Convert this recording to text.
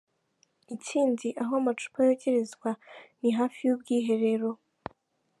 Ikindi aho amacupa yogerezwa ni hafi y’ubwiherero.”